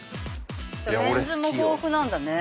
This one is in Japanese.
メンズも豊富なんだね。